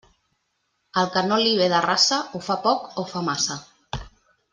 Al que no li ve de raça, o fa poc o fa massa.